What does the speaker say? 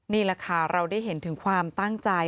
นี่แหละค่ะเราได้เห็นถึงความตั้งใจ